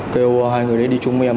kêu hai người đấy đi chung với em